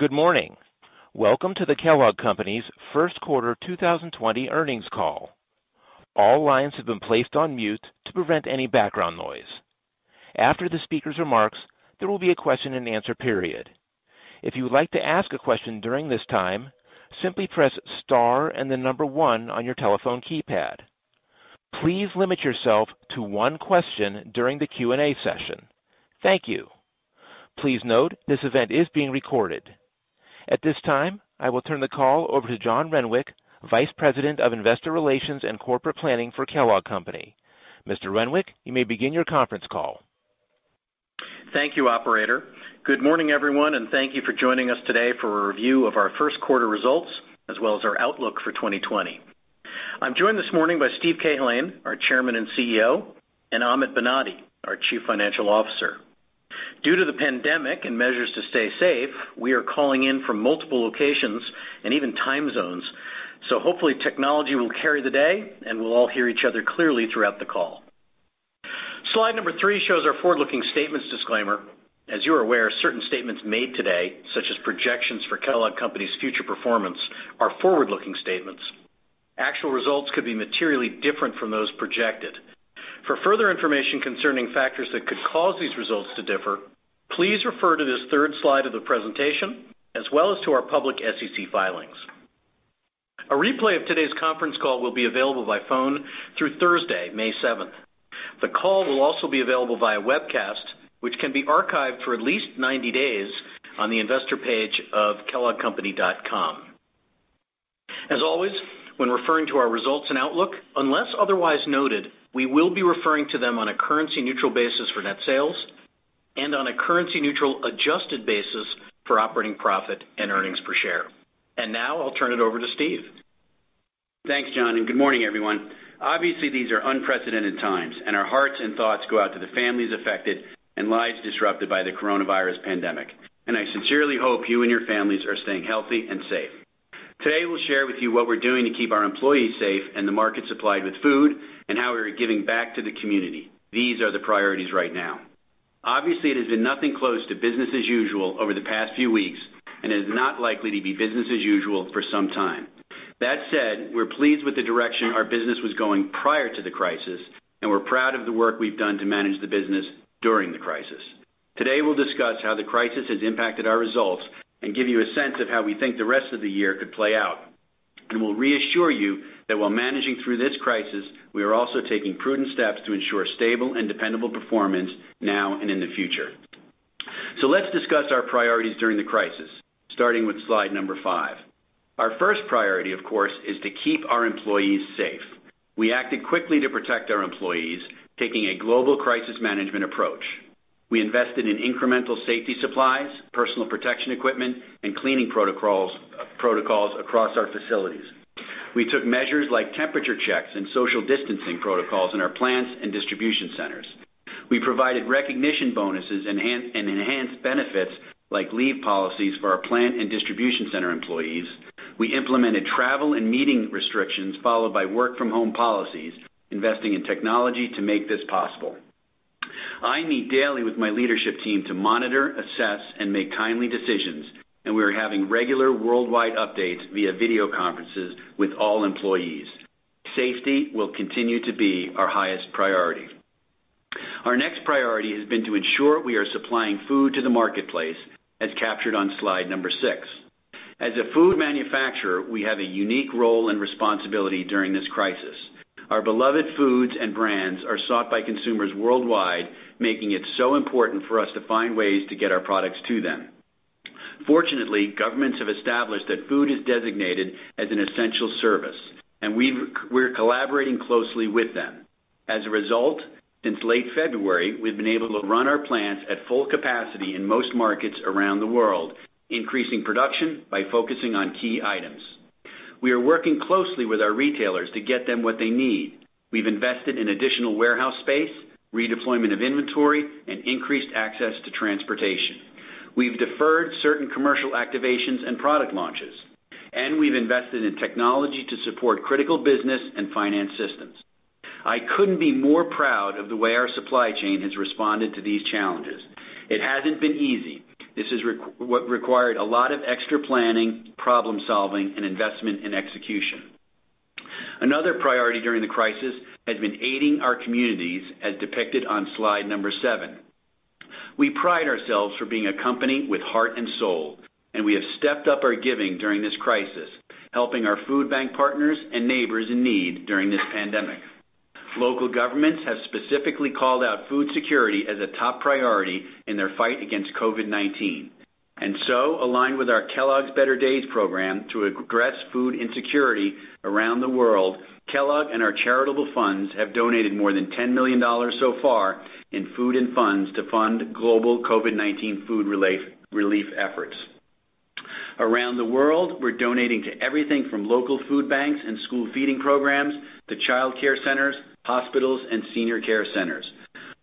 Good morning. Welcome to the Kellogg Company's first quarter 2020 earnings call. All lines have been placed on mute to prevent any background noise. After the speaker's remarks, there will be a question and answer period. If you would like to ask a question during this time, simply press star and the number one on your telephone keypad. Please limit yourself to one question during the Q&A session. Thank you. Please note this event is being recorded. At this time, I will turn the call over to John Renwick, Vice President of Investor Relations and Corporate Planning for Kellogg Company. Mr. Renwick, you may begin your conference call. Thank you operator. Good morning, everyone, and thank you for joining us today for a review of our first quarter results, as well as our outlook for 2020. I am joined this morning by Steve Cahillane, our Chairman and CEO, and Amit Banati, our Chief Financial Officer. Due to the pandemic and measures to stay safe, we are calling in from multiple locations and even time zones. Hopefully technology will carry the day and we will all hear each other clearly throughout the call. Slide number three shows our forward-looking statements disclaimer. As you are aware, certain statements made today, such as projections for Kellogg Company's future performance, are forward-looking statements. Actual results could be materially different from those projected. For further information concerning factors that could cause these results to differ, please refer to this third slide of the presentation as well as to our public SEC filings. A replay of today's conference call will be available by phone through Thursday, May 7th. The call will also be available via webcast, which can be archived for at least 90 days on the investor page of kelloggcompany.com. As always, when referring to our results and outlook, unless otherwise noted, we will be referring to them on a currency-neutral basis for net sales and on a currency-neutral adjusted basis for operating profit and earnings per share. Now I'll turn it over to Steve. Thanks John. Good morning, everyone. Obviously, these are unprecedented times, and our hearts and thoughts go out to the families affected and lives disrupted by the coronavirus pandemic. I sincerely hope you and your families are staying healthy and safe. Today, we'll share with you what we're doing to keep our employees safe and the market supplied with food, and how we are giving back to the community. These are the priorities right now. Obviously, it has been nothing close to business as usual over the past few weeks and is not likely to be business as usual for some time. That said, we're pleased with the direction our business was going prior to the crisis, and we're proud of the work we've done to manage the business during the crisis. Today, we'll discuss how the crisis has impacted our results and give you a sense of how we think the rest of the year could play out. We'll reassure you that while managing through this crisis, we are also taking prudent steps to ensure stable and dependable performance now and in the future. Let's discuss our priorities during the crisis, starting with slide number five. Our first priority, of course, is to keep our employees safe. We acted quickly to protect our employees, taking a global crisis management approach. We invested in incremental safety supplies, personal protection equipment, and cleaning protocols across our facilities. We took measures like temperature checks and social distancing protocols in our plants and distribution centers. We provided recognition bonuses and enhanced benefits like leave policies for our plant and distribution center employees. We implemented travel and meeting restrictions followed by work from home policies, investing in technology to make this possible. I meet daily with my leadership team to monitor, assess, and make timely decisions, and we are having regular worldwide updates via video conferences with all employees. Safety will continue to be our highest priority. Our next priority has been to ensure we are supplying food to the marketplace, as captured on slide number six. As a food manufacturer, we have a unique role and responsibility during this crisis. Our beloved foods and brands are sought by consumers worldwide, making it so important for us to find ways to get our products to them. Fortunately, governments have established that food is designated as an essential service, and we're collaborating closely with them. As a result, since late February, we've been able to run our plants at full capacity in most markets around the world, increasing production by focusing on key items. We are working closely with our retailers to get them what they need. We've invested in additional warehouse space, redeployment of inventory, and increased access to transportation. We've deferred certain commercial activations and product launches, and we've invested in technology to support critical business and finance systems. I couldn't be more proud of the way our supply chain has responded to these challenges. It hasn't been easy. This has required a lot of extra planning, problem-solving, and investment in execution. Another priority during the crisis has been aiding our communities, as depicted on slide number seven. We pride ourselves for being a company with heart and soul. We have stepped up our giving during this crisis, helping our food bank partners and neighbors in need during this pandemic. Local governments have specifically called out food security as a top priority in their fight against COVID-19. Aligned with our Kellogg's Better Days program to address food insecurity around the world, Kellogg and our charitable funds have donated more than $10 million so far in food and funds to fund global COVID-19 food relief efforts. Around the world, we're donating to everything from local food banks and school feeding programs to childcare centers, hospitals, and senior care centers.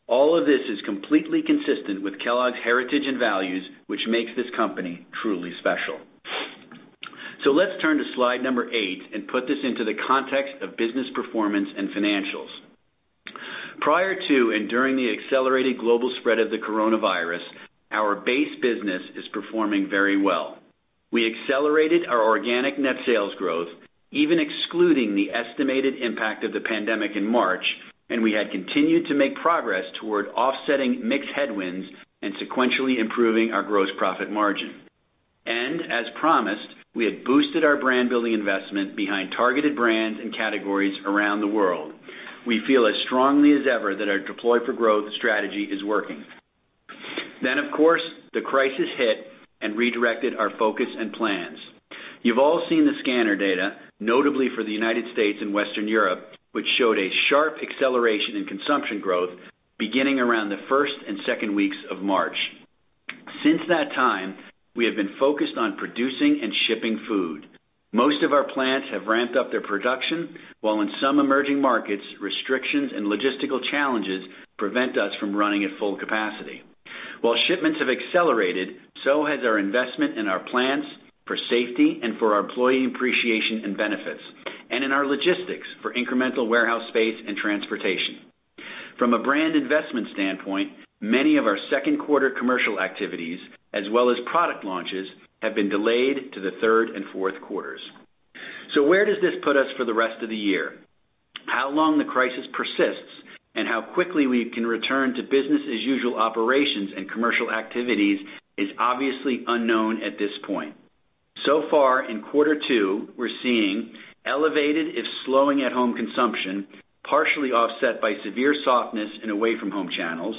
All of this is completely consistent with Kellogg's heritage and values, which makes this company truly special. Let's turn to slide number eight and put this into the context of business performance and financials. Prior to and during the accelerated global spread of the coronavirus, our base business is performing very well. We accelerated our organic net sales growth, even excluding the estimated impact of the pandemic in March, and we had continued to make progress toward offsetting mix headwinds and sequentially improving our gross profit margin. As promised, we had boosted our brand-building investment behind targeted brands and categories around the world. We feel as strongly as ever that our Deploy for Growth strategy is working. Of course, the crisis hit and redirected our focus and plans. You've all seen the scanner data, notably for the U.S. and Western Europe, which showed a sharp acceleration in consumption growth beginning around the first and second weeks of March. Since that time, we have been focused on producing and shipping food. Most of our plants have ramped up their production, while in some emerging markets, restrictions and logistical challenges prevent us from running at full capacity. While shipments have accelerated, so has our investment in our plants for safety and for our employee appreciation and benefits, and in our logistics for incremental warehouse space and transportation. From a brand investment standpoint, many of our second quarter commercial activities, as well as product launches, have been delayed to the third and fourth quarters. Where does this put us for the rest of the year? How long the crisis persists and how quickly we can return to business as usual operations and commercial activities is obviously unknown at this point. So far in quarter two, we're seeing elevated, if slowing at-home consumption, partially offset by severe softness in away-from-home channels,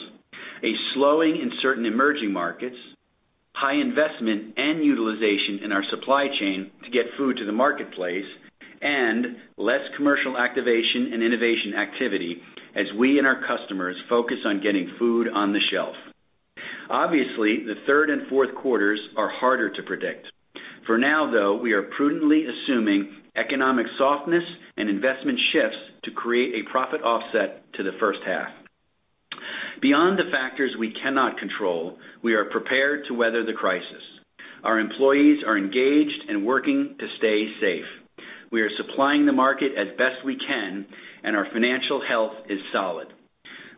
a slowing in certain emerging markets, high investment and utilization in our supply chain to get food to the marketplace, and less commercial activation and innovation activity as we and our customers focus on getting food on the shelf. Obviously, the third and fourth quarters are harder to predict. For now, though, we are prudently assuming economic softness and investment shifts to create a profit offset to the first half. Beyond the factors we cannot control, we are prepared to weather the crisis. Our employees are engaged and working to stay safe. We are supplying the market as best we can, and our financial health is solid.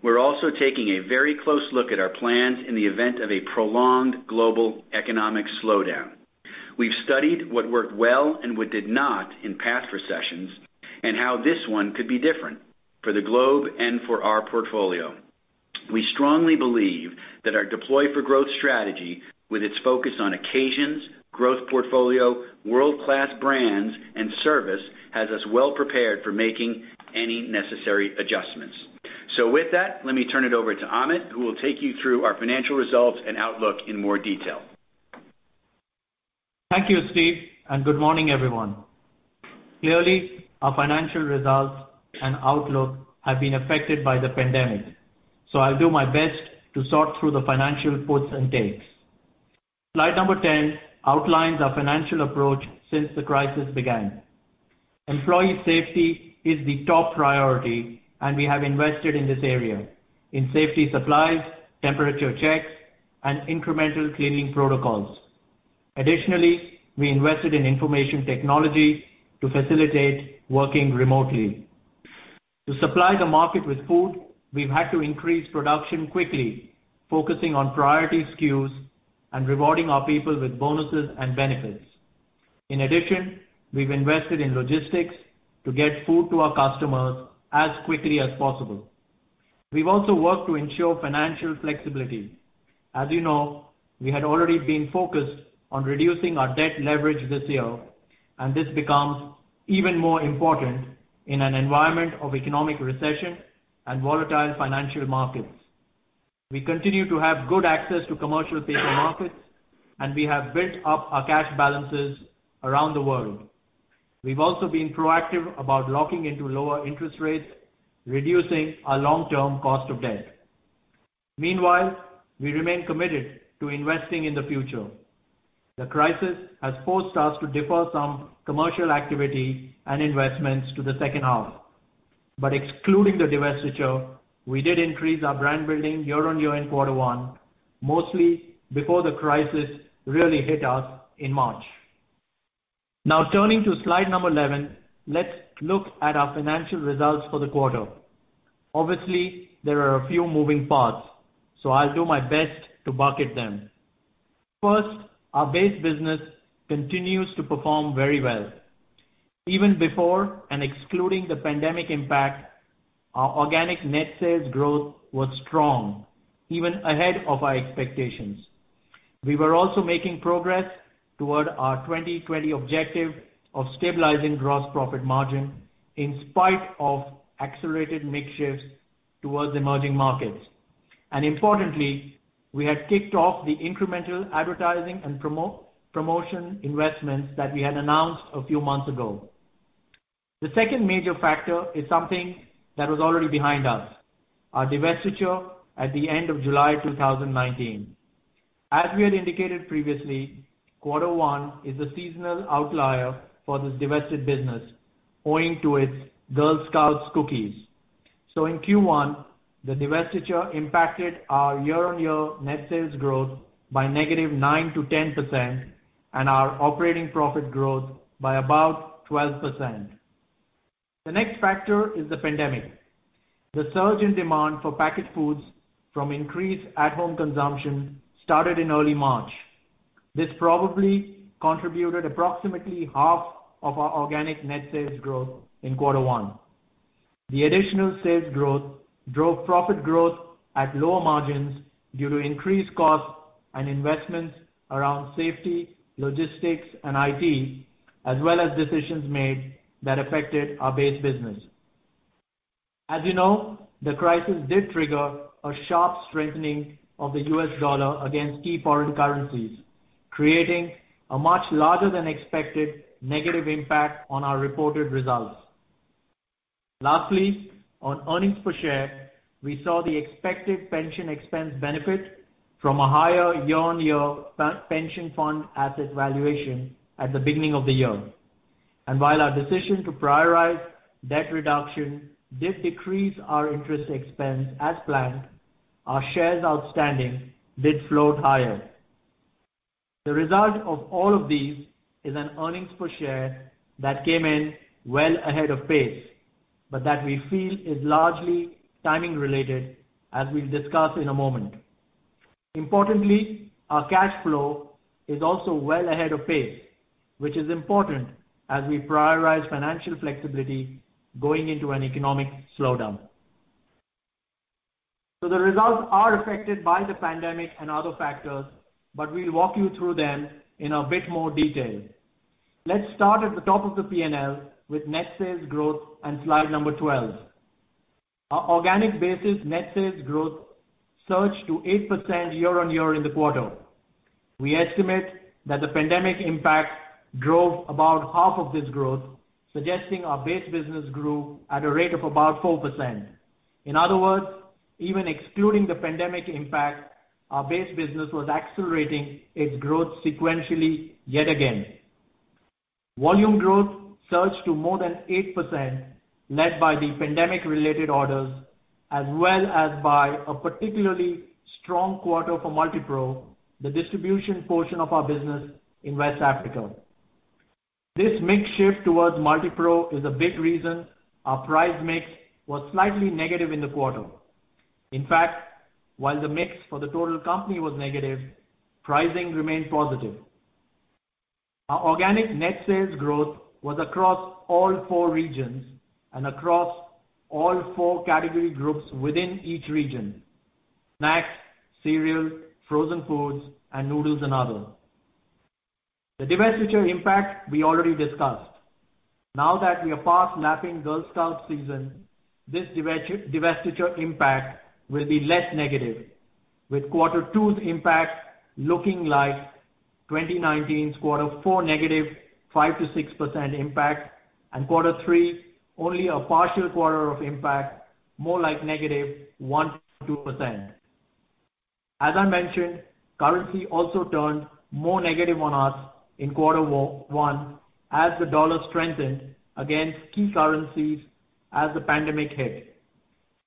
We're also taking a very close look at our plans in the event of a prolonged global economic slowdown. We've studied what worked well and what did not in past recessions, and how this one could be different for the globe and for our portfolio. We strongly believe that our Deploy for Growth strategy, with its focus on occasions, growth portfolio, world-class brands, and service, has us well prepared for making any necessary adjustments. With that, let me turn it over to Amit, who will take you through our financial results and outlook in more detail. Thank you Steve, and good morning, everyone. Clearly, our financial results and outlook have been affected by the pandemic, so I'll do my best to sort through the financial puts and takes. Slide number 10 outlines our financial approach since the crisis began. Employee safety is the top priority, and we have invested in this area, in safety supplies, temperature checks, and incremental cleaning protocols. Additionally, we invested in information technology to facilitate working remotely. To supply the market with food, we've had to increase production quickly, focusing on priority SKUs and rewarding our people with bonuses and benefits. In addition, we've invested in logistics to get food to our customers as quickly as possible. We've also worked to ensure financial flexibility. As you know, we had already been focused on reducing our debt leverage this year, and this becomes even more important in an environment of economic recession and volatile financial markets. We continue to have good access to commercial paper markets, and we have built up our cash balances around the world. We've also been proactive about locking into lower interest rates, reducing our long-term cost of debt. Meanwhile, we remain committed to investing in the future. The crisis has forced us to defer some commercial activity and investments to the second half. Excluding the divestiture, we did increase our brand building year-over-year in quarter one, mostly before the crisis really hit us in March. Now turning to slide number 11, let's look at our financial results for the quarter. Obviously, there are a few moving parts, so I'll do my best to bucket them. First, our base business continues to perform very well. Even before and excluding the pandemic impact, our organic net sales growth was strong, even ahead of our expectations. We were also making progress toward our 2020 objective of stabilizing gross profit margin in spite of accelerated mix shifts towards emerging markets. Importantly, we had kicked off the incremental advertising and promotion investments that we had announced a few months ago. The second major factor is something that was already behind us, our divestiture at the end of July 2019. As we had indicated previously, quarter one is a seasonal outlier for this divested business owing to its Girl Scouts cookies. In Q1, the divestiture impacted our year-on-year net sales growth by -9% to -10%, and our operating profit growth by about 12%. The next factor is the pandemic. The surge in demand for packaged foods from increased at-home consumption started in early March. This probably contributed approximately half of our organic net sales growth in quarter one. The additional sales growth drove profit growth at lower margins due to increased costs and investments around safety, logistics, and IT, as well as decisions made that affected our base business. As you know, the crisis did trigger a sharp strengthening of the U.S. dollar against key foreign currencies, creating a much larger than expected negative impact on our reported results. Lastly, on earnings per share, we saw the expected pension expense benefit from a higher year-on-year pension fund asset valuation at the beginning of the year. While our decision to prioritize debt reduction did decrease our interest expense as planned, our shares outstanding did float higher. The result of all of these is an earnings per share that came in well ahead of pace, that we feel is largely timing related, as we'll discuss in a moment. Importantly, our cash flow is also well ahead of pace, which is important as we prioritize financial flexibility going into an economic slowdown. The results are affected by the pandemic and other factors, we'll walk you through them in a bit more detail. Let's start at the top of the P&L with net sales growth and slide number 12. Our organic basis net sales growth surged to 8% year-on-year in the quarter. We estimate that the pandemic impact drove about half of this growth, suggesting our base business grew at a rate of about 4%. In other words, even excluding the pandemic impact, our base business was accelerating its growth sequentially yet again. Volume growth surged to more than 8%, led by the pandemic-related orders, as well as by a particularly strong quarter for MultiPro, the distribution portion of our business in West Africa. This mix shift towards MultiPro is a big reason our price mix was slightly negative in the quarter. While the mix for the total company was negative, pricing remained positive. Our organic net sales growth was across all four regions and across all four category groups within each region: snacks, cereal, frozen foods, and noodles and other. The divestiture impact we already discussed. Now that we are past lapping Girl Scouts season, this divestiture impact will be less negative, with quarter two's impact looking like 2019's quarter four negative 5%-6% impact, and quarter three, only a partial quarter of impact, more like negative 1%-2%. As I mentioned, currency also turned more negative on us in quarter one as the dollar strengthened against key currencies as the pandemic hit.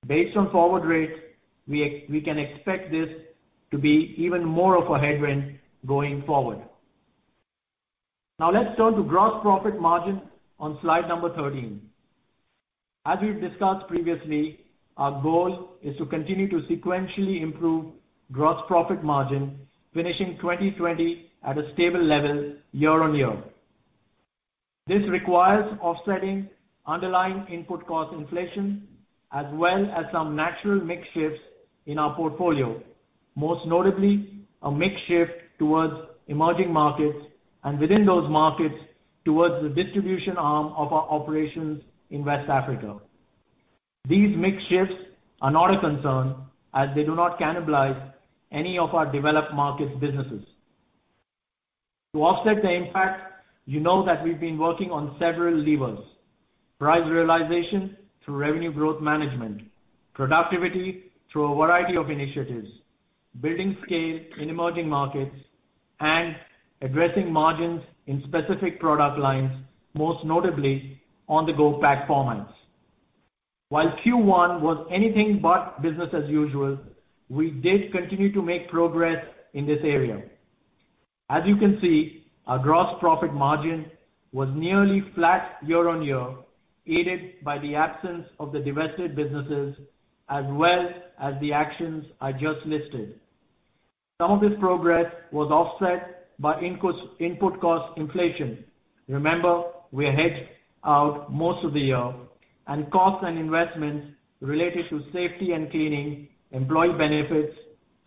Based on forward rates, we can expect this to be even more of a headwind going forward. Let's turn to gross profit margin on slide number 13. As we discussed previously, our goal is to continue to sequentially improve gross profit margin, finishing 2020 at a stable level year-over-year. This requires offsetting underlying input cost inflation as well as some natural mix shifts in our portfolio, most notably a mix shift towards emerging markets and within those markets, towards the distribution arm of our operations in West Africa. These mix shifts are not a concern as they do not cannibalize any of our developed markets businesses. To offset the impact, you know that we've been working on several levers. Price realization through revenue growth management, productivity through a variety of initiatives, building scale in emerging markets, and addressing margins in specific product lines, most notably on the go pack formats. While Q1 was anything but business as usual, we did continue to make progress in this area. As you can see, our gross profit margin was nearly flat year-on-year, aided by the absence of the divested businesses as well as the actions I just listed. Some of this progress was offset by input cost inflation. Remember, we are hedged out most of the year, and costs and investments related to safety and cleaning, employee benefits,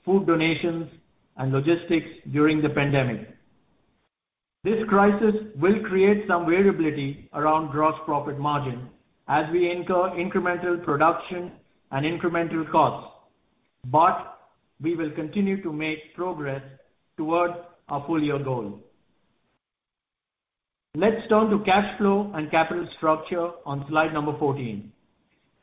food donations, and logistics during the pandemic. This crisis will create some variability around gross profit margin as we incur incremental production and incremental costs. We will continue to make progress towards our full-year goal. Let's turn to cash flow and capital structure on slide number 14.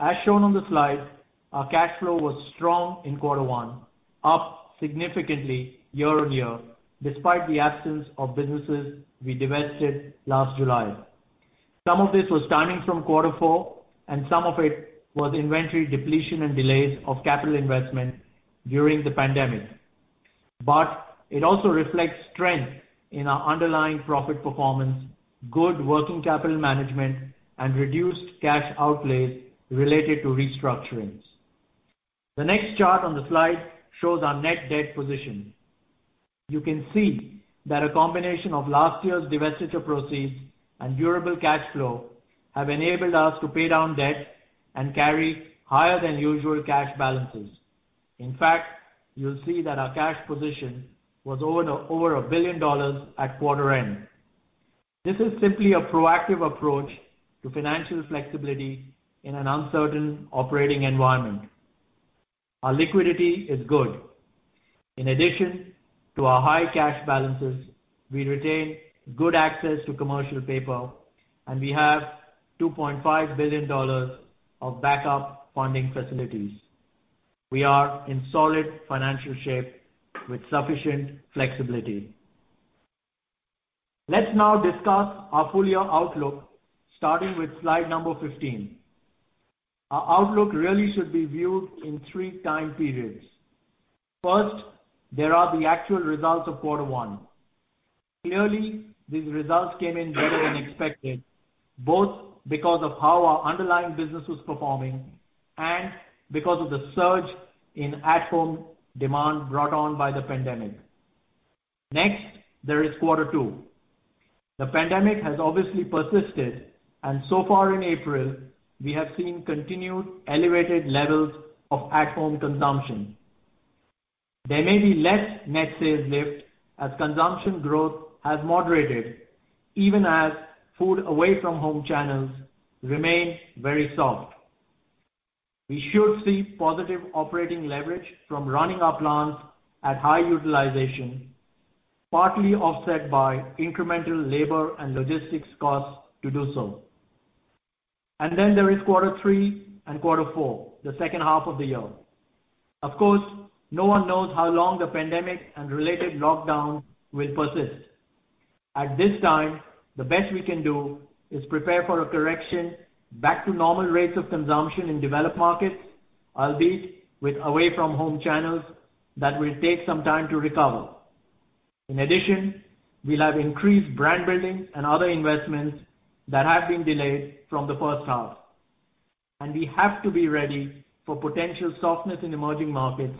As shown on the slide. Our cash flow was strong in quarter one, up significantly year-on-year despite the absence of businesses we divested last July. Some of this was timing from quarter four. Some of it was inventory depletion and delays of capital investment during the pandemic. It also reflects strength in our underlying profit performance, good working capital management, and reduced cash outlays related to restructurings. The next chart on the slide shows our net debt position. You can see that a combination of last year's divestiture proceeds and durable cash flow have enabled us to pay down debt and carry higher than usual cash balances. In fact, you'll see that our cash position was over $1 billion at quarter end. This is simply a proactive approach to financial flexibility in an uncertain operating environment. Our liquidity is good. In addition to our high cash balances, we retain good access to commercial paper. We have $2.5 billion of backup funding facilities. We are in solid financial shape with sufficient flexibility. Let's now discuss our full-year outlook, starting with slide number 15. Our outlook really should be viewed in three time periods. First, there are the actual results of quarter one. Clearly, these results came in better than expected, both because of how our underlying business was performing and because of the surge in at-home demand brought on by the pandemic. Next, there is Q2. The pandemic has obviously persisted. So far in April, we have seen continued elevated levels of at-home consumption. There may be less net sales lift as consumption growth has moderated, even as food away from home channels remain very soft. We should see positive operating leverage from running our plants at high utilization, partly offset by incremental labor and logistics costs to do so. Then there is quarter three and quarter four, the second half of the year. Of course, no one knows how long the pandemic and related lockdown will persist. At this time, the best we can do is prepare for a correction back to normal rates of consumption in developed markets, albeit with away-from-home channels that will take some time to recover. In addition, we'll have increased brand building and other investments that have been delayed from the first half. We have to be ready for potential softness in emerging markets,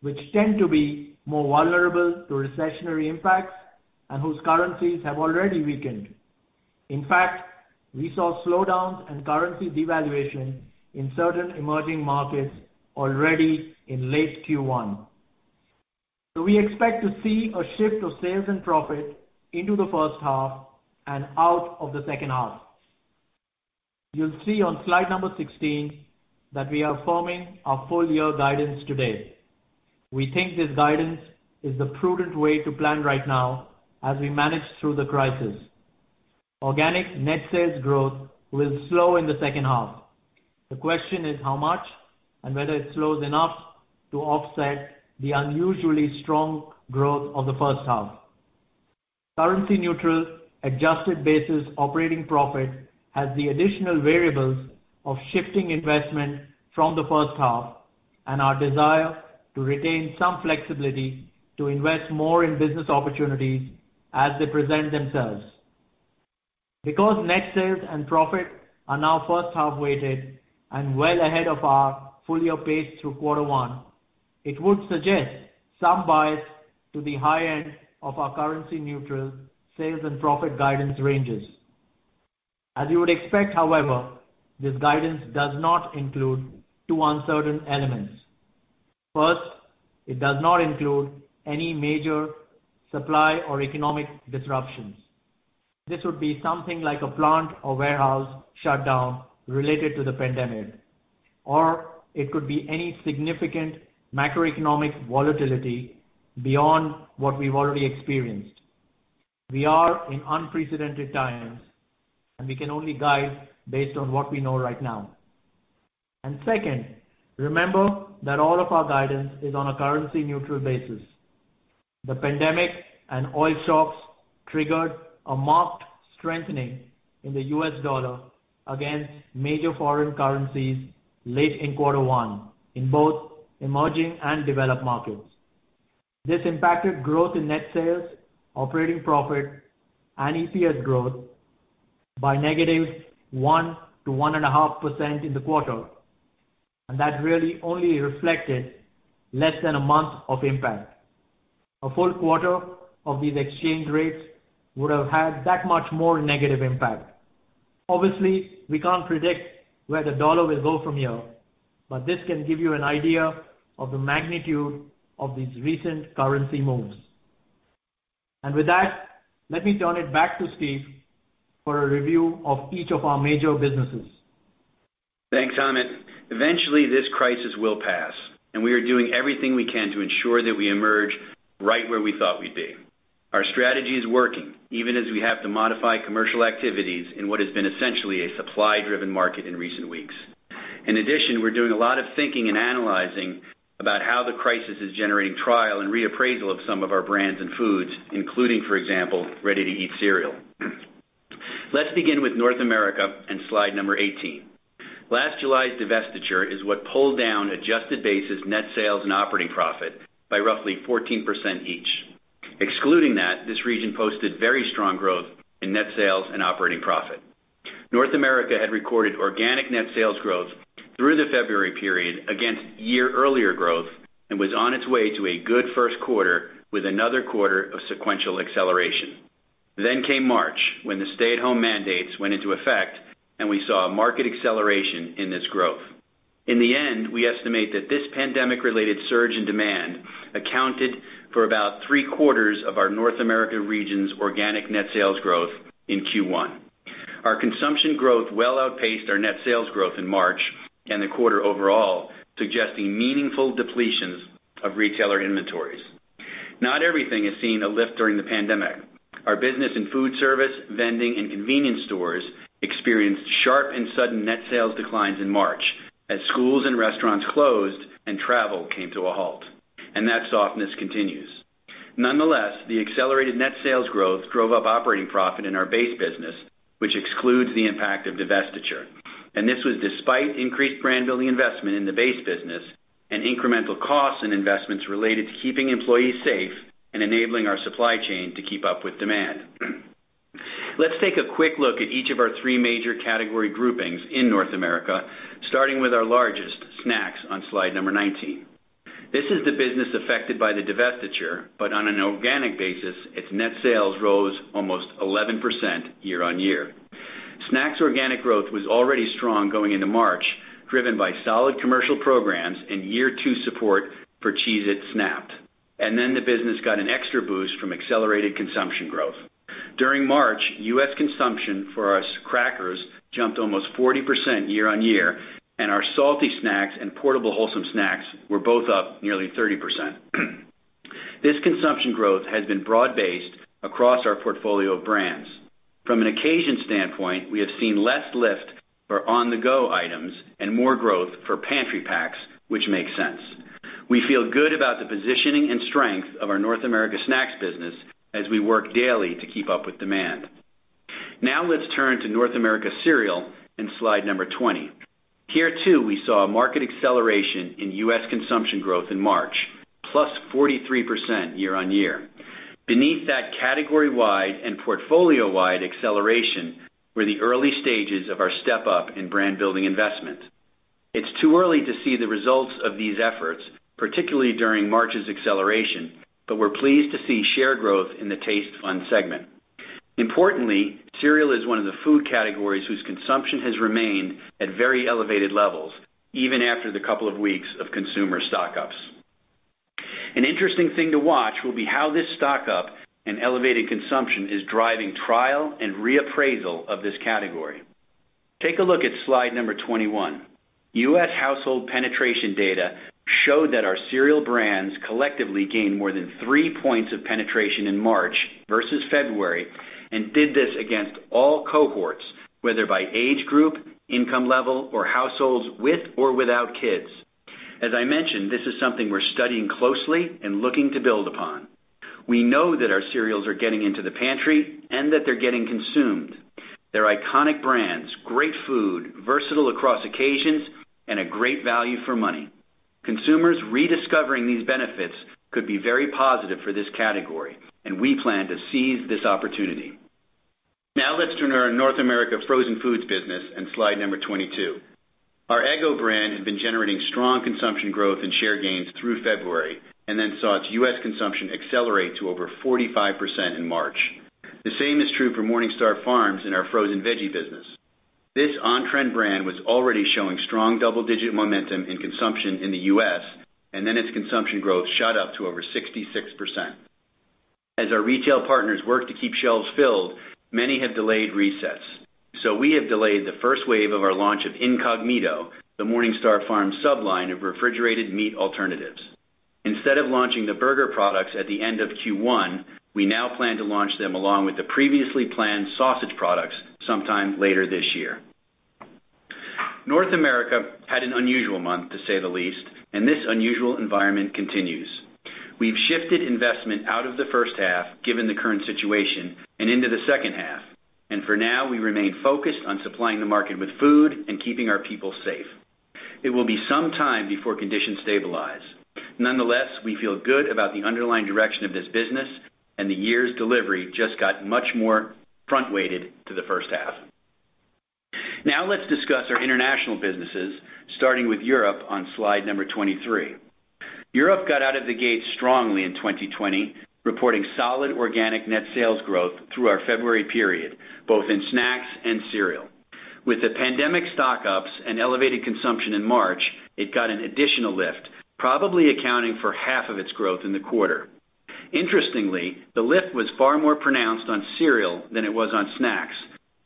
which tend to be more vulnerable to recessionary impacts and whose currencies have already weakened. In fact, we saw slowdowns and currency devaluation in certain emerging markets already in late Q1. We expect to see a shift of sales and profit into the first half and out of the second half. You'll see on slide number 16 that we are forming our full-year guidance today. We think this guidance is the prudent way to plan right now as we manage through the crisis. Organic net sales growth will slow in the second half. The question is how much and whether it slows enough to offset the unusually strong growth of the first half. Currency-neutral, adjusted-basis operating profit has the additional variables of shifting investment from the first half and our desire to retain some flexibility to invest more in business opportunities as they present themselves. Because net sales and profit are now first-half weighted and well ahead of our full year pace through quarter one, it would suggest some bias to the high end of our currency-neutral sales and profit guidance ranges. As you would expect, however, this guidance does not include two uncertain elements. It does not include any major supply or economic disruptions. This would be something like a plant or warehouse shutdown related to the pandemic, or it could be any significant macroeconomic volatility beyond what we've already experienced. We are in unprecedented times, we can only guide based on what we know right now. Second, remember that all of our guidance is on a currency-neutral basis. The pandemic and oil shocks triggered a marked strengthening in the U.S. dollar against major foreign currencies late in quarter one in both emerging and developed markets. This impacted growth in net sales, operating profit, and EPS growth by -1%-1.5% in the quarter. That really only reflected less than a month of impact. A full quarter of these exchange rates would have had that much more negative impact. Obviously, we can't predict where the dollar will go from here. This can give you an idea of the magnitude of these recent currency moves. With that, let me turn it back to Steve for a review of each of our major businesses. Thanks Amit. Eventually, this crisis will pass. We are doing everything we can to ensure that we emerge right where we thought we'd be. Our strategy is working even as we have to modify commercial activities in what has been essentially a supply-driven market in recent weeks. In addition, we're doing a lot of thinking and analyzing about how the crisis is generating trial and reappraisal of some of our brands and foods, including, for example, ready-to-eat cereal. Let's begin with North America and slide number 18. Last July's divestiture is what pulled down adjusted basis net sales and operating profit by roughly 14% each. Excluding that, this region posted very strong growth in net sales and operating profit. North America had recorded organic net sales growth through the February period against year earlier growth and was on its way to a good first quarter with another quarter of sequential acceleration. Came March, when the stay-at-home mandates went into effect, and we saw a market acceleration in this growth. In the end, we estimate that this pandemic-related surge in demand accounted for about three quarters of our North America region's organic net sales growth in Q1. Our consumption growth well outpaced our net sales growth in March and the quarter overall, suggesting meaningful depletions of retailer inventories. Not everything has seen a lift during the pandemic. Our business and food service, vending, and convenience stores experienced sharp and sudden net sales declines in March as schools and restaurants closed and travel came to a halt, and that softness continues. Nonetheless, the accelerated net sales growth drove up operating profit in our base business, which excludes the impact of divestiture. This was despite increased brand building investment in the base business and incremental costs and investments related to keeping employees safe and enabling our supply chain to keep up with demand. Let's take a quick look at each of our three major category groupings in North America, starting with our largest, snacks, on slide number 19. This is the business affected by the divestiture, but on an organic basis, its net sales rose almost 11% year-on-year. Snacks organic growth was already strong going into March, driven by solid commercial programs and year two support for Cheez-It Snap'd. Then the business got an extra boost from accelerated consumption growth. During March, U.S. consumption for our crackers jumped almost 40% year-on-year, and our salty snacks and portable wholesome snacks were both up nearly 30%. This consumption growth has been broad-based across our portfolio of brands. From an occasion standpoint, we have seen less lift for on-the-go items and more growth for pantry packs, which makes sense. We feel good about the positioning and strength of our North America snacks business as we work daily to keep up with demand. Now let's turn to North America cereal in slide number 20. Here, too, we saw a market acceleration in U.S. consumption growth in March, plus 43% year-on-year. Beneath that category-wide and portfolio-wide acceleration were the early stages of our step-up in brand-building investment. It's too early to see the results of these efforts, particularly during March's acceleration, but we're pleased to see share growth in the taste fun segment. Importantly, cereal is one of the food categories whose consumption has remained at very elevated levels, even after the couple of weeks of consumer stock-ups. An interesting thing to watch will be how this stock-up and elevated consumption is driving trial and reappraisal of this category. Take a look at slide number 21. U.S. household penetration data showed that our cereal brands collectively gained more than three points of penetration in March versus February and did this against all cohorts, whether by age group, income level, or households with or without kids. As I mentioned, this is something we're studying closely and looking to build upon. We know that our cereals are getting into the pantry and that they're getting consumed. They're iconic brands, great food, versatile across occasions, and a great value for money. Consumers rediscovering these benefits could be very positive for this category, we plan to seize this opportunity. Now let's turn to our North America frozen foods business and slide number 22. Our Eggo brand had been generating strong consumption growth and share gains through February and then saw its U.S. consumption accelerate to over 45% in March. The same is true for MorningStar Farms in our frozen veggie business. This on-trend brand was already showing strong double-digit momentum in consumption in the U.S., then its consumption growth shot up to over 66%. As our retail partners work to keep shelves filled, many have delayed resets. We have delayed the first wave of our launch of Incogmeato, the MorningStar Farms sub-line of refrigerated meat alternatives. Instead of launching the burger products at the end of Q1, we now plan to launch them along with the previously planned sausage products sometime later this year. North America had an unusual month, to say the least, and this unusual environment continues. We've shifted investment out of the first half, given the current situation, and into the second half. For now, we remain focused on supplying the market with food and keeping our people safe. It will be some time before conditions stabilize. Nonetheless, we feel good about the underlying direction of this business, and the year's delivery just got much more front-weighted to the first half. Let's discuss our international businesses, starting with Europe on slide number 23. Europe got out of the gate strongly in 2020, reporting solid organic net sales growth through our February period, both in snacks and cereal. With the pandemic stock-ups and elevated consumption in March, it got an additional lift, probably accounting for half of its growth in the quarter. Interestingly, the lift was far more pronounced on cereal than it was on snacks.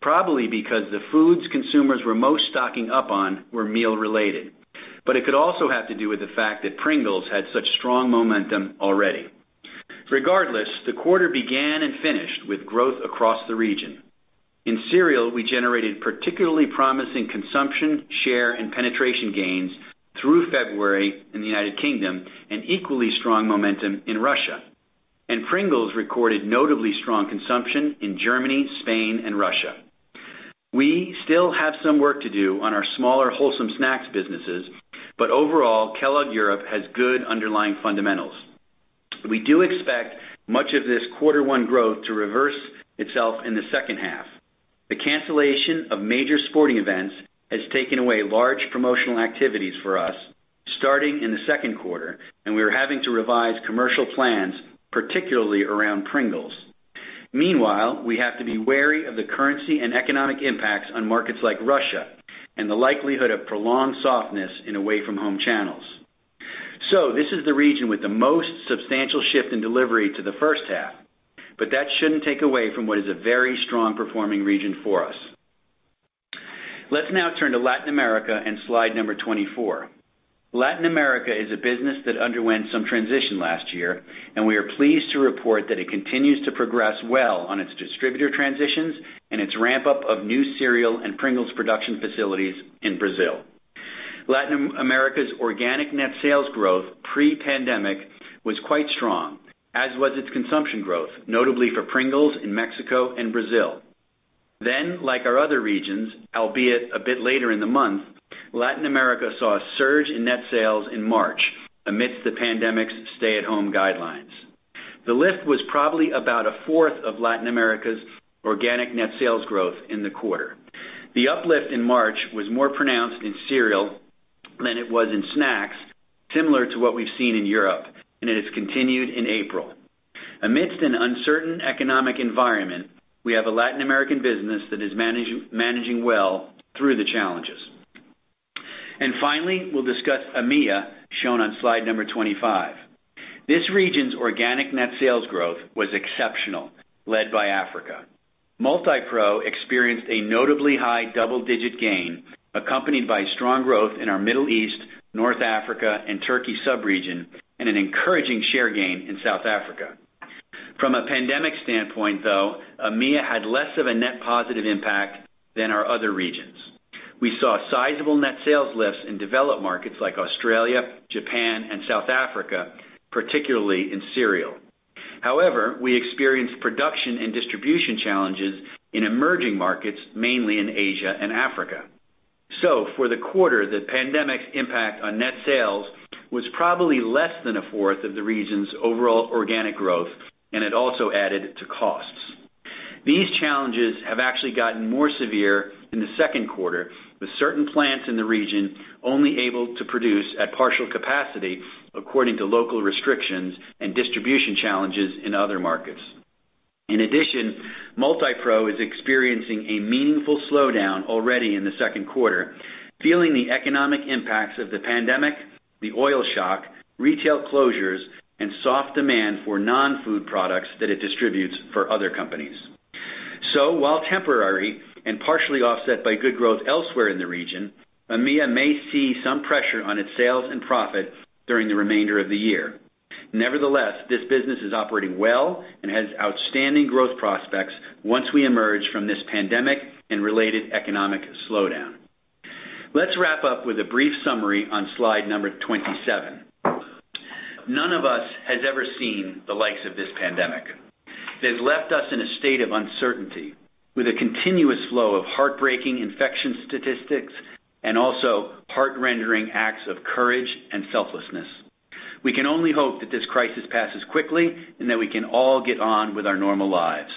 Probably because the foods consumers were most stocking up on were meal related, but it could also have to do with the fact that Pringles had such strong momentum already. Regardless, the quarter began and finished with growth across the region. In cereal, we generated particularly promising consumption, share, and penetration gains through February in the United Kingdom and equally strong momentum in Russia. Pringles recorded notably strong consumption in Germany, Spain, and Russia. We still have some work to do on our smaller wholesome snacks businesses, but overall, Kellogg Europe has good underlying fundamentals. We do expect much of this quarter one growth to reverse itself in the second half. The cancellation of major sporting events has taken away large promotional activities for us starting in the second quarter, and we are having to revise commercial plans, particularly around Pringles. Meanwhile, we have to be wary of the currency and economic impacts on markets like Russia and the likelihood of prolonged softness in away from home channels. This is the region with the most substantial shift in delivery to the first half, but that shouldn't take away from what is a very strong performing region for us. Let's now turn to Latin America and slide number 24. Latin America is a business that underwent some transition last year, and we are pleased to report that it continues to progress well on its distributor transitions and its ramp up of new cereal and Pringles production facilities in Brazil. Latin America's organic net sales growth pre-pandemic was quite strong, as was its consumption growth, notably for Pringles in Mexico and Brazil. Like our other regions, albeit a bit later in the month, Latin America saw a surge in net sales in March amidst the pandemic's stay at home guidelines. The lift was probably about a fourth of Latin America's organic net sales growth in the quarter. The uplift in March was more pronounced in cereal than it was in snacks, similar to what we've seen in Europe, and it has continued in April. Amidst an uncertain economic environment, we have a Latin American business that is managing well through the challenges. We'll discuss EMEA, shown on slide number 25. This region's organic net sales growth was exceptional, led by Africa. Multipro experienced a notably high double-digit gain accompanied by strong growth in our Middle East, North Africa, and Turkey sub-region and an encouraging share gain in South Africa. From a pandemic standpoint, though, EMEA had less of a net positive impact than our other regions. We saw sizable net sales lifts in developed markets like Australia, Japan, and South Africa, particularly in cereal. However, we experienced production and distribution challenges in emerging markets, mainly in Asia and Africa. For the quarter, the pandemic's impact on net sales was probably less than a fourth of the region's overall organic growth, and it also added to costs. These challenges have actually gotten more severe in the second quarter, with certain plants in the region only able to produce at partial capacity according to local restrictions and distribution challenges in other markets. In addition, Multipro is experiencing a meaningful slowdown already in the second quarter, feeling the economic impacts of the pandemic, the oil shock, retail closures, and soft demand for non-food products that it distributes for other companies. While temporary and partially offset by good growth elsewhere in the region, EMEA may see some pressure on its sales and profit during the remainder of the year. Nevertheless, this business is operating well and has outstanding growth prospects once we emerge from this pandemic and related economic slowdown. Let's wrap up with a brief summary on slide number 27. None of us has ever seen the likes of this pandemic. It has left us in a state of uncertainty with a continuous flow of heartbreaking infection statistics and also heart-rending acts of courage and selflessness. We can only hope that this crisis passes quickly and that we can all get on with our normal lives.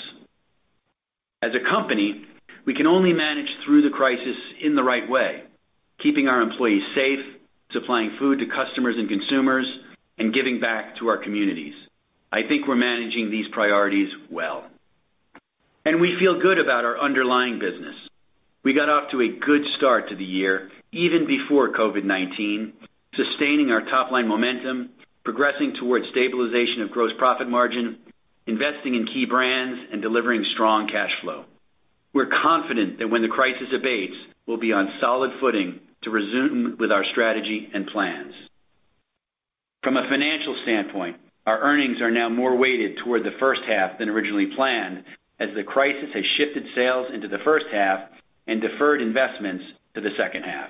As a company, we can only manage through the crisis in the right way, keeping our employees safe, supplying food to customers and consumers, and giving back to our communities. I think we're managing these priorities well. We feel good about our underlying business. We got off to a good start to the year, even before COVID-19, sustaining our top line momentum, progressing towards stabilization of gross profit margin, investing in key brands, and delivering strong cash flow. We're confident that when the crisis abates, we'll be on solid footing to resume with our strategy and plans. From a financial standpoint, our earnings are now more weighted toward the first half than originally planned, as the crisis has shifted sales into the first half and deferred investments to the second half.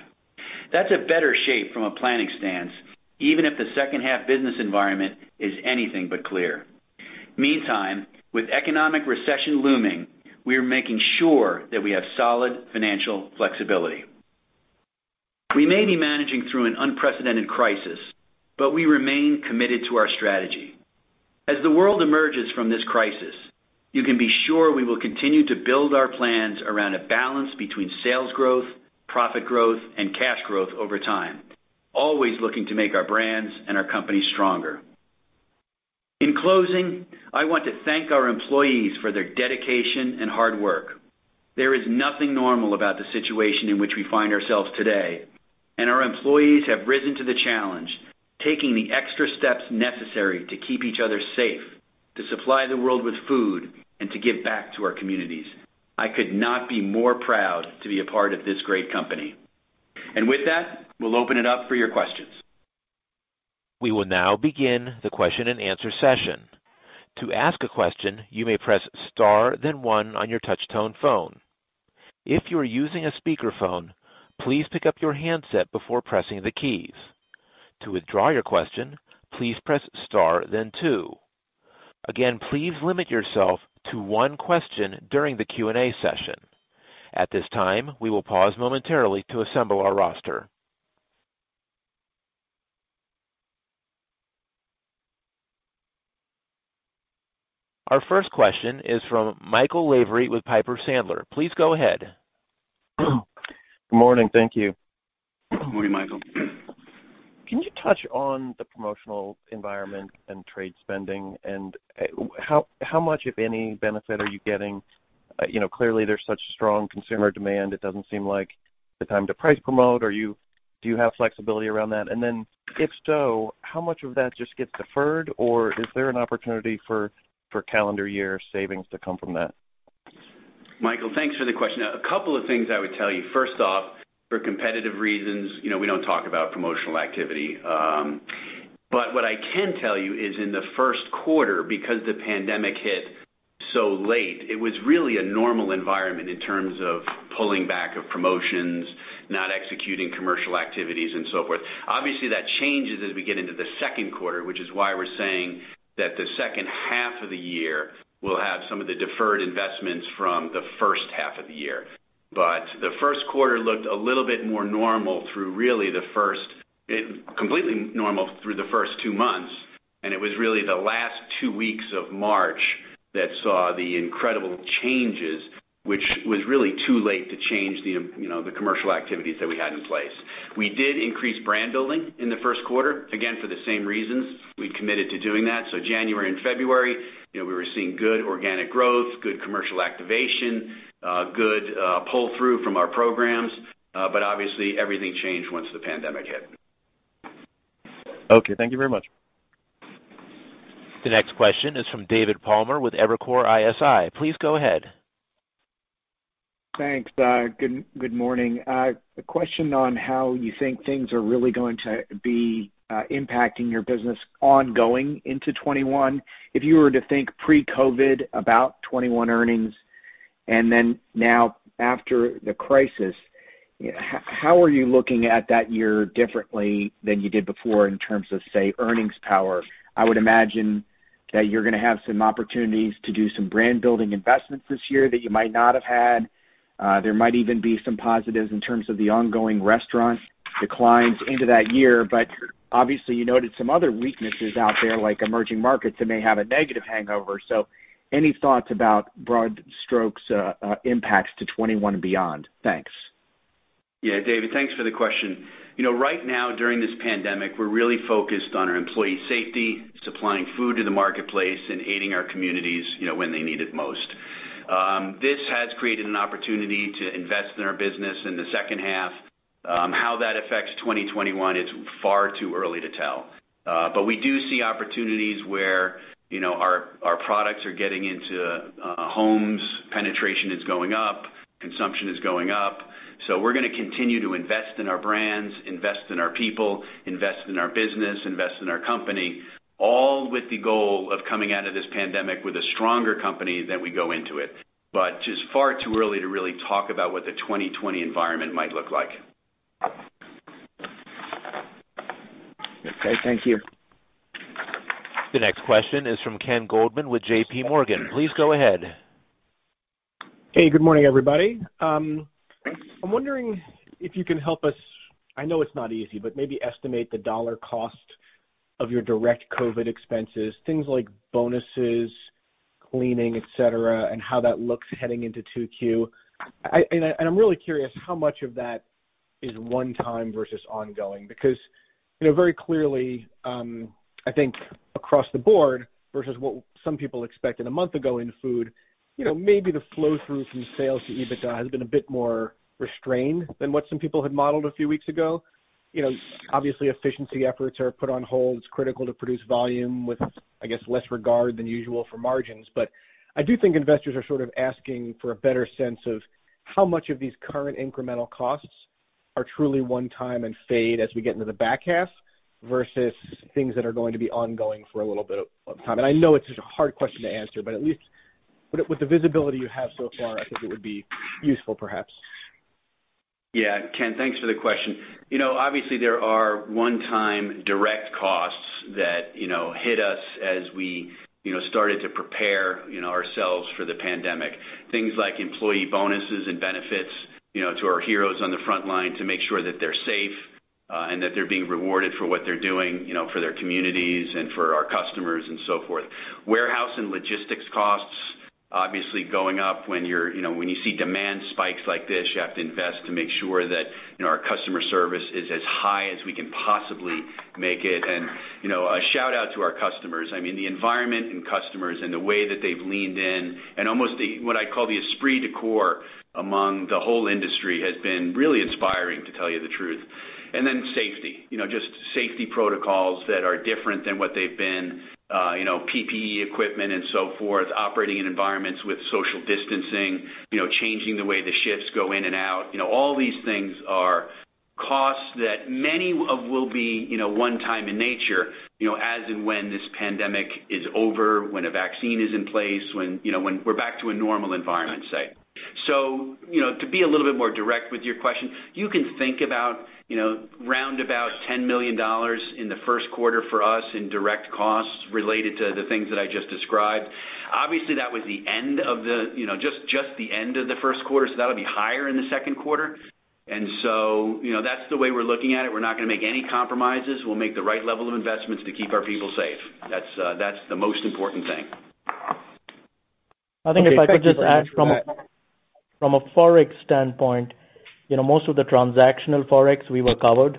That's a better shape from a planning stance, even if the second half business environment is anything but clear. Meantime, with economic recession looming, we are making sure that we have solid financial flexibility. We may be managing through an unprecedented crisis, but we remain committed to our strategy. As the world emerges from this crisis, you can be sure we will continue to build our plans around a balance between sales growth, profit growth, and cash growth over time, always looking to make our brands and our company stronger. In closing, I want to thank our employees for their dedication and hard work. There is nothing normal about the situation in which we find ourselves today. Our employees have risen to the challenge, taking the extra steps necessary to keep each other safe, to supply the world with food, and to give back to our communities. I could not be more proud to be a part of this great company. With that, we'll open it up for your questions. We will now begin the question and answer session. To ask a question, you may press star then one on your touch-tone phone. If you are using a speakerphone, please pick up your handset before pressing the keys. To withdraw your question, please press star then two. Again, please limit yourself to one question during the Q&A session. At this time, we will pause momentarily to assemble our roster. Our first question is from Michael Lavery with Piper Sandler. Please go ahead. Good morning. Thank you. Good morning Michael. Can you touch on the promotional environment and trade spending and how much, if any, benefit are you getting? Clearly there's such strong consumer demand, it doesn't seem like the time to price promote. Do you have flexibility around that? If so, how much of that just gets deferred or is there an opportunity for calendar year savings to come from that? Michael, thanks for the question. A couple of things I would tell you. First off, for competitive reasons, we don't talk about promotional activity. What I can tell you is in the first quarter, because the pandemic hit so late, it was really a normal environment in terms of pulling back of promotions, not executing commercial activities and so forth. Obviously, that changes as we get into the second quarter, which is why we're saying that the second half of the year will have some of the deferred investments from the first half of the year. The first quarter looked a little bit more normal through really completely normal through the first two months, and it was really the last two weeks of March that saw the incredible changes, which was really too late to change the commercial activities that we had in place. We did increase brand building in the first quarter, again, for the same reasons we'd committed to doing that. January and February, we were seeing good organic growth, good commercial activation, good pull-through from our programs. Obviously, everything changed once the pandemic hit. Okay. Thank you very much. The next question is from David Palmer with Evercore ISI. Please go ahead. Thanks. Good morning. A question on how you think things are really going to be impacting your business ongoing into 2021. If you were to think pre-COVID about 2021 earnings, and then now after the crisis, how are you looking at that year differently than you did before in terms of, say, earnings power? I would imagine that you're going to have some opportunities to do some brand building investments this year that you might not have had. There might even be some positives in terms of the ongoing restaurant declines into that year. Obviously, you noted some other weaknesses out there, like emerging markets, that may have a negative hangover. Any thoughts about broad strokes impacts to 2021 and beyond? Thanks. Yeah, David, thanks for the question. Right now, during this pandemic, we're really focused on our employee safety, supplying food to the marketplace and aiding our communities when they need it most. This has created an opportunity to invest in our business in the second half. How that affects 2021 is far too early to tell. We do see opportunities where our products are getting into homes, penetration is going up, consumption is going up. We're going to continue to invest in our brands, invest in our people, invest in our business, invest in our company, all with the goal of coming out of this pandemic with a stronger company than we go into it. It's far too early to really talk about what the 2020 environment might look like. Okay. Thank you. The next question is from Ken Goldman with J.P. Morgan. Please go ahead. Hey, good morning, everybody. I'm wondering if you can help us, I know it's not easy, but maybe estimate the dollar cost of your direct COVID expenses, things like bonuses, cleaning, etc., and how that looks heading into 2Q. I'm really curious how much of that is one-time versus ongoing, because very clearly, I think across the board versus what some people expected a month ago in food, maybe the flow through from sales to EBITDA has been a bit more restrained than what some people had modeled a few weeks ago. Obviously, efficiency efforts are put on hold. It's critical to produce volume with, I guess, less regard than usual for margins. I do think investors are sort of asking for a better sense of how much of these current incremental costs are truly one time and fade as we get into the back half versus things that are going to be ongoing for a little bit of time. I know it's a hard question to answer, but at least with the visibility you have so far, I think it would be useful, perhaps. Yeah. Ken, thanks for the question. There are one-time direct costs that hit us as we started to prepare ourselves for the pandemic. Things like employee bonuses and benefits to our heroes on the front line to make sure that they're safe and that they're being rewarded for what they're doing for their communities and for our customers and so forth. Warehouse and logistics costs. Obviously, going up when you see demand spikes like this, you have to invest to make sure that our customer service is as high as we can possibly make it. A shout-out to our customers, the environment and customers and the way that they've leaned in and almost what I call the esprit de corps among the whole industry has been really inspiring, to tell you the truth. Safety. Just safety protocols that are different than what they've been. PPE equipment and so forth, operating in environments with social distancing, changing the way the shifts go in and out. All these things are costs that many of will be one-time in nature, as in when this pandemic is over, when a vaccine is in place, when we're back to a normal environment, say. To be a little bit more direct with your question, you can think about round about $10 million in the first quarter for us in direct costs related to the things that I just described. Obviously, that was just the end of the first quarter, so that'll be higher in the second quarter. That's the way we're looking at it. We're not going to make any compromises. We'll make the right level of investments to keep our people safe. That's the most important thing. I think if I could just add from a Forex standpoint, most of the transactional Forex, we were covered.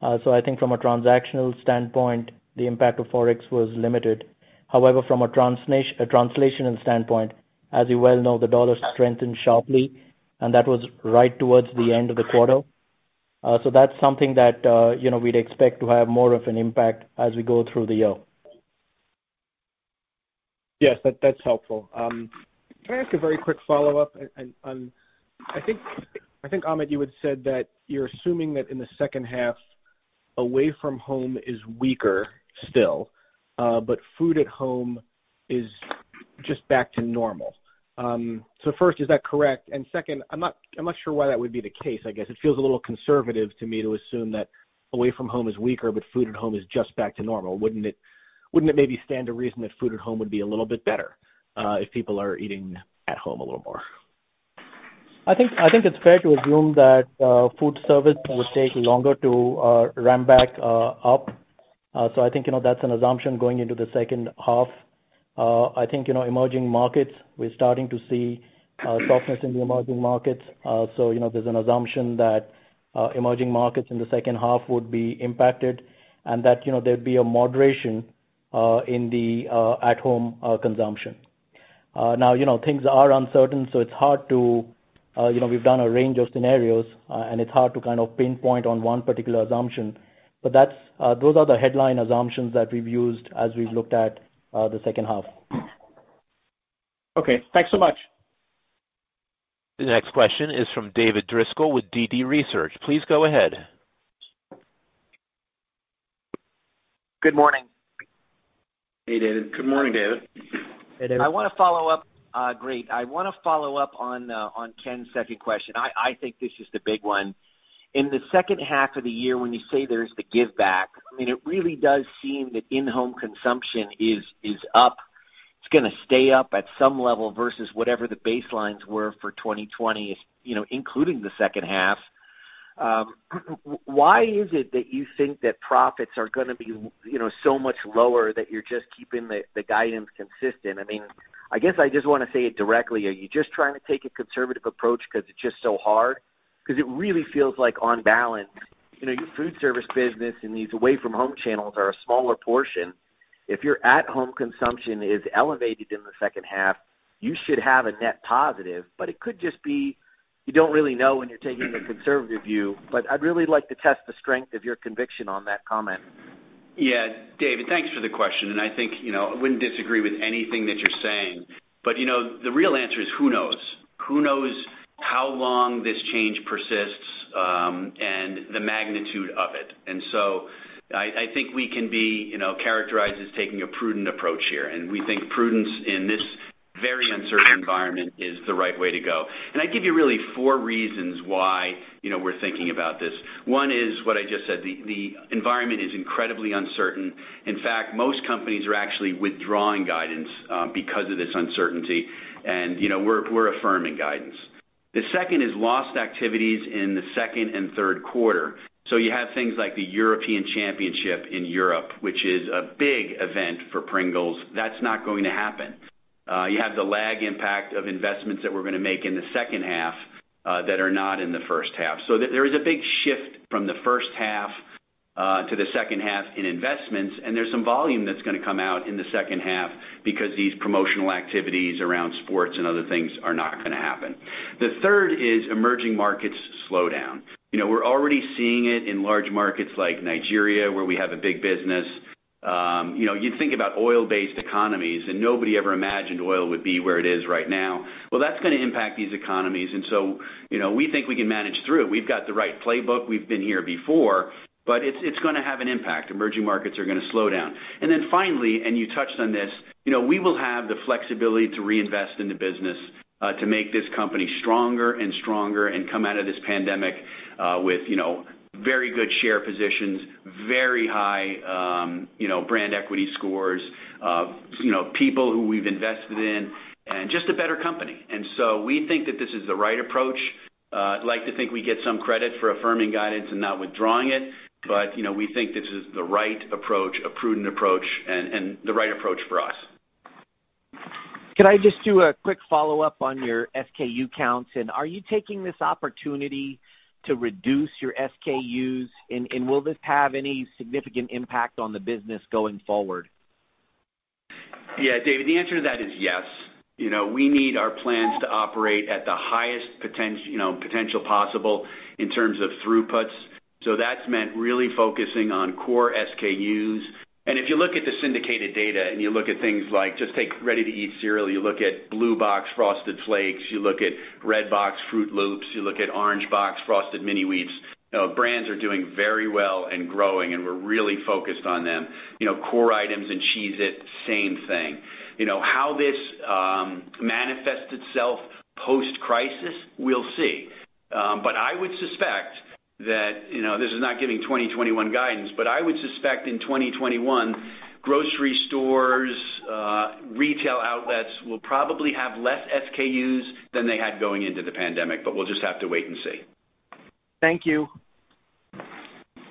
I think from a transactional standpoint, the impact of Forex was limited. However, from a translational standpoint, as you well know, the dollar strengthened sharply, and that was right towards the end of the quarter. That's something that we'd expect to have more of an impact as we go through the year. Yes, that's helpful. Can I ask a very quick follow-up? I think, Amit, you had said that you're assuming that in the second half, away from home is weaker still, but food at home is just back to normal. First, is that correct? Second, I'm not sure why that would be the case, I guess. It feels a little conservative to me to assume that away from home is weaker, but food at home is just back to normal. Wouldn't it maybe stand to reason that food at home would be a little bit better if people are eating at home a little more. I think it's fair to assume that food service would take longer to ramp back up. I think, that's an assumption going into the second half. I think, emerging markets, we're starting to see softness in the emerging markets. There's an assumption that emerging markets in the second half would be impacted and that there'd be a moderation in the at-home consumption. Now, things are uncertain, so it's hard to. We've done a range of scenarios, and it's hard to kind of pinpoint on one particular assumption. Those are the headline assumptions that we've used as we've looked at the second half. Okay, thanks so much. The next question is from David Driscoll with DD Research. Please go ahead. Good morning. Hey, David. Good morning, David. Hey, David. I want to follow up. Great. I want to follow up on Ken's second question. I think this is the big one. In the second half of the year, when you say there's the give back, it really does seem that in-home consumption is up. It's going to stay up at some level versus whatever the baselines were for 2020, including the second half. Why is it that you think that profits are going to be so much lower that you're just keeping the guidance consistent? I guess I just want to say it directly. Are you just trying to take a conservative approach because it's just so hard? It really feels like on balance, your food service business and these away from home channels are a smaller portion. If your at-home consumption is elevated in the second half, you should have a net positive, but it could just be you don't really know when you're taking a conservative view. I'd really like to test the strength of your conviction on that comment. Yeah. David, thanks for the question. I think I wouldn't disagree with anything that you're saying, but the real answer is who knows? Who knows how long this change persists, and the magnitude of it? I think we can be characterized as taking a prudent approach here, and we think prudence in this very uncertain environment is the right way to go. I'd give you really four reasons why we're thinking about this. One is what I just said, the environment is incredibly uncertain. In fact, most companies are actually withdrawing guidance because of this uncertainty, and we're affirming guidance. The second is lost activities in the second and third quarter. You have things like the European Championship in Europe, which is a big event for Pringles. That's not going to happen. You have the lag impact of investments that we're going to make in the second half that are not in the first half. There is a big shift from the first half to the second half in investments, and there's some volume that's going to come out in the second half because these promotional activities around sports and other things are not going to happen. The third is emerging markets slowdown. We're already seeing it in large markets like Nigeria, where we have a big business. You think about oil-based economies, and nobody ever imagined oil would be where it is right now. Well, that's going to impact these economies, and so we think we can manage through. We've got the right playbook. We've been here before, but it's going to have an impact. Emerging markets are going to slow down. Finally, you touched on this, we will have the flexibility to reinvest in the business to make this company stronger and stronger and come out of this pandemic with very good share positions, very high brand equity scores, people who we've invested in, and just a better company. We think that this is the right approach. I'd like to think we get some credit for affirming guidance and not withdrawing it, we think this is the right approach, a prudent approach, and the right approach for us. Can I just do a quick follow-up on your SKU counts? Are you taking this opportunity to reduce your SKUs, and will this have any significant impact on the business going forward? Yeah, David, the answer to that is yes. We need our plans to operate at the highest potential possible in terms of throughputs so, that's meant really focusing on core SKUs. If you look at the syndicated data, and you look at things like, just take ready-to-eat cereal, you look at blue box Frosted Flakes, you look at red box Froot Loops, you look at orange box Frosted Mini-Wheats, brands are doing very well and growing, and we're really focused on them. Core items and Cheez-It, same thing. How this manifests itself post-crisis, we'll see. This is not giving 2021 guidance, but I would suspect in 2021, grocery stores, retail outlets will probably have less SKUs than they had going into the pandemic, but we'll just have to wait and see. Thank you.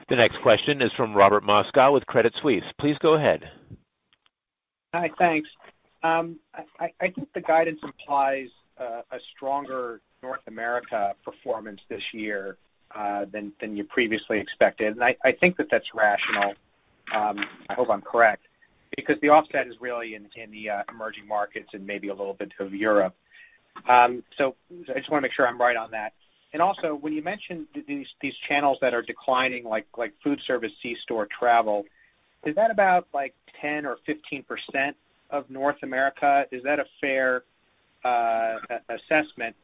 The next question is from Robert Moskow with Credit Suisse. Please go ahead. Hi, thanks. I think the guidance implies a stronger North America performance this year, than you previously expected, and I think that that's rational. I hope I'm correct. The offset is really in the emerging markets and maybe a little bit of Europe. I just want to make sure I'm right on that. Also, when you mention these channels that are declining like food service, C-store, travel, is that about 10 or 15% of North America? Is that a fair assessment?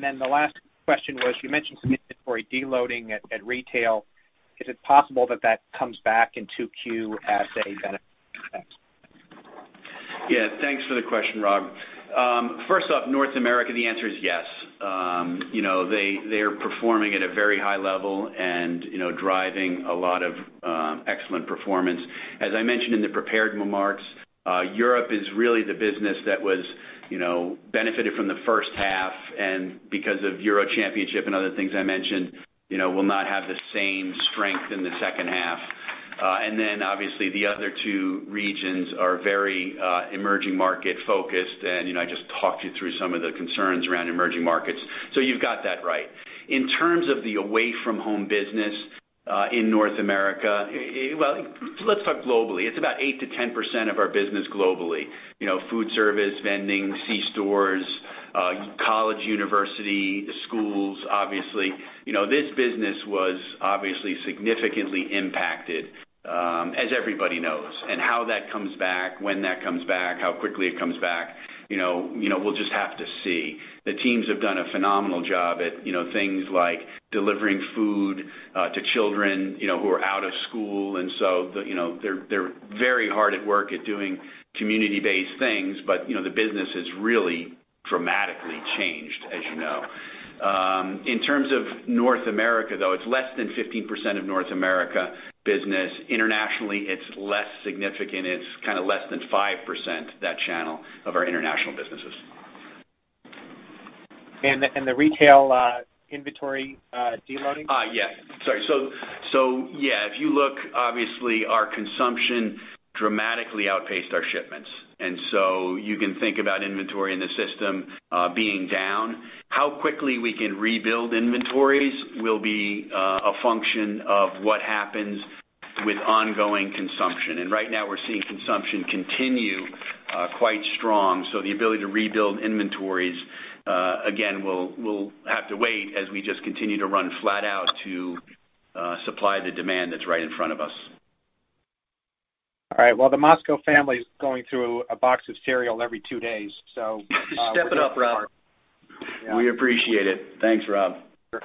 Then the last question was, you mentioned some inventory de-loading at retail. Is it possible that that comes back in 2Q as a benefit? Thanks. Yeah. Thanks for the question, Rob. First off, North America, the answer is yes. They are performing at a very high level and driving a lot of excellent performance. As I mentioned in the prepared remarks, Europe is really the business that benefited from the first half, and because of Euro Championship and other things I mentioned, will not have the same strength in the second half. Then obviously the other two regions are very emerging market focused and I just talked you through some of the concerns around emerging markets. You've got that right. In terms of the away-from-home business, Well, let's talk globally. It's about 8% to 10% of our business globally. Food service, vending, C-stores, college university, the schools, obviously. This business was obviously significantly impacted, as everybody knows, and how that comes back, when that comes back, how quickly it comes back, we'll just have to see. The teams have done a phenomenal job at things like delivering food to children who are out of school, and so they're very hard at work at doing community-based things, but the business has really dramatically changed, as you know. In terms of North America, though, it's less than 15% of North America business. Internationally, it's less significant. It's less than 5%, that channel, of our international businesses. The retail inventory de-loading? Yeah. Sorry. Yeah, if you look, obviously our consumption dramatically outpaced our shipments. You can think about inventory in the system being down. How quickly we can rebuild inventories will be a function of what happens with ongoing consumption. Right now we're seeing consumption continue quite strong, so the ability to rebuild inventories, again, we'll have to wait as we just continue to run flat out to supply the demand that's right in front of us. All right. Well, the Moskow family's going through a box of cereal every two days. Step it up, Rob. We appreciate it. Thanks Rob. Sure.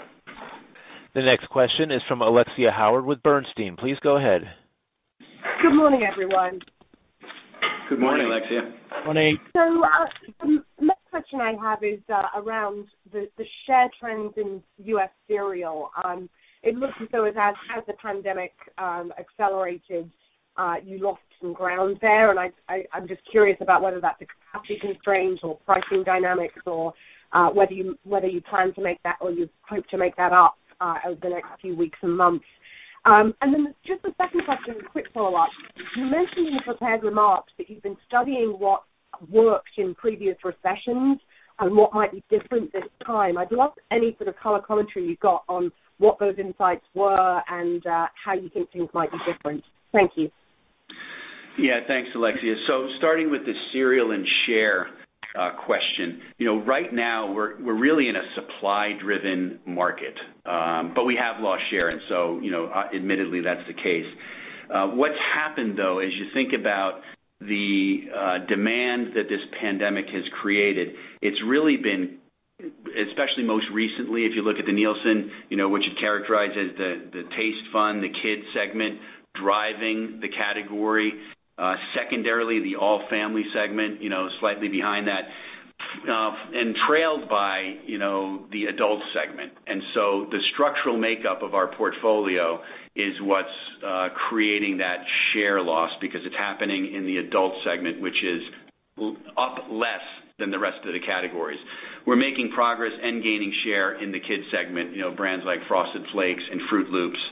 The next question is from Alexia Howard with Bernstein. Please go ahead. Good morning, everyone. Good morning, Alexia. Morning. The next question I have is around the share trends in U.S. cereal. It looks as though as the pandemic accelerated, you lost some ground there, and I'm just curious about whether that's capacity constraints or pricing dynamics or whether you plan to make that, or you hope to make that up over the next few weeks and months. Then just the second question, a quick follow-up. You mentioned in your prepared remarks that you've been studying what worked in previous recessions and what might be different this time. I'd love any sort of color commentary you've got on what those insights were and how you think things might be different. Thank you. Yeah. Thanks Alexia. Starting with the cereal and share question. Right now we're really in a supply-driven market, but we have lost share and so admittedly, that's the case. What's happened, though, as you think about the demand that this pandemic has created, it's really been, especially most recently, if you look at the Nielsen, which it characterized as the taste fun, the kid segment driving the category. Secondarily, the all family segment, slightly behind that, and trailed by the adult segment. The structural makeup of our portfolio is what's creating that share loss because it's happening in the adult segment, which is up less than the rest of the categories. We're making progress and gaining share in the kids segment, brands like Frosted Flakes and Froot Loops.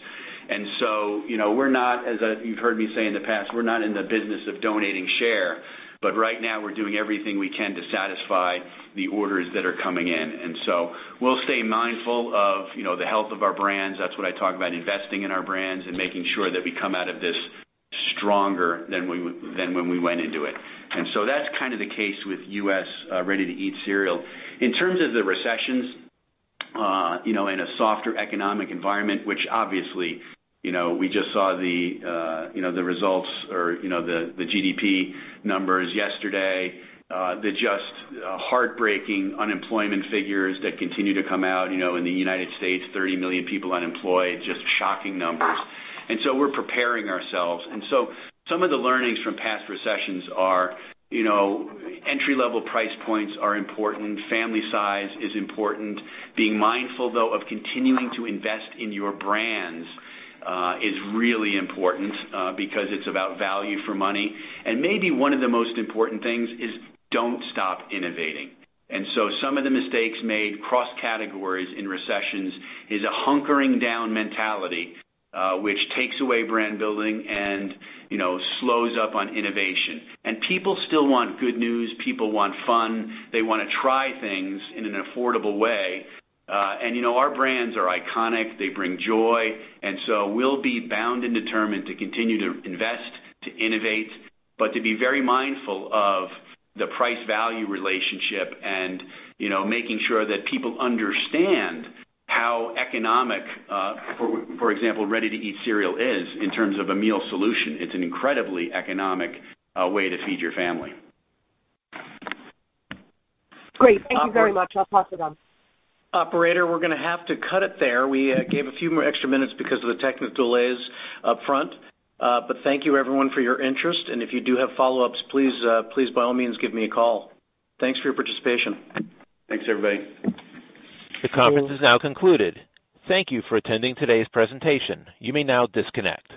We're not, as you've heard me say in the past, we're not in the business of donating share, but right now we're doing everything we can to satisfy the orders that are coming in. We'll stay mindful of the health of our brands. That's what I talk about, investing in our brands and making sure that we come out of this stronger than when we went into it. That's kind of the case with U.S. ready-to-eat cereal. In terms of the recessions, in a softer economic environment, which obviously, we just saw the results or the GDP numbers yesterday, the just heartbreaking unemployment figures that continue to come out in the United States, 30 million people unemployed, just shocking numbers. We're preparing ourselves. Some of the learnings from past recessions are, entry-level price points are important. Family size is important. Being mindful, though, of continuing to invest in your brands, is really important, because it's about value for money. Maybe one of the most important things is don't stop innovating. Some of the mistakes made cross categories in recessions is a hunkering down mentality, which takes away brand building and slows up on innovation. People still want good news. People want fun. They want to try things in an affordable way. Our brands are iconic. They bring joy. We'll be bound and determined to continue to invest, to innovate, but to be very mindful of the price-value relationship and making sure that people understand how economic, for example, ready-to-eat cereal is in terms of a meal solution. It's an incredibly economic way to feed your family. Great. Thank you very much. I'll pass it on. Operator, we're going to have to cut it there. We gave a few more extra minutes because of the technical delays up front. Thank you everyone for your interest. If you do have follow-ups, please, by all means, give me a call. Thanks for your participation. Thanks everybody. The conference is now concluded. Thank you for attending today's presentation. You may now disconnect.